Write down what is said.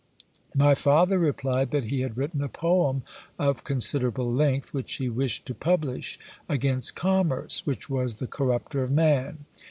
My father replied that he had written a poem of considerable length, which he wished to publish, against Commerce, which was the corrupter of man.